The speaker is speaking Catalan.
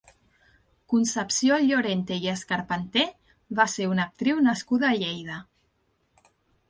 Concepció Llorente i Escarpanté va ser una actriu nascuda a Lleida.